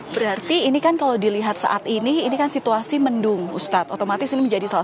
berarti ini kan kalau dilihat saat ini ini kan situasi mendung ustadz otomatis ini menjadi salah